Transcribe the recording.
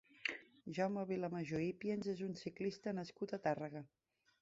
Jaume Vilamajó Ipiens és un ciclista nascut a Tàrrega.